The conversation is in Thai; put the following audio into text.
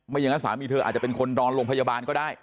อย่างนั้นสามีเธออาจจะเป็นคนนอนโรงพยาบาลก็ได้